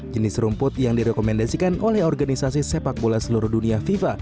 jenis rumput yang direkomendasikan oleh organisasi sepak bola seluruh dunia fifa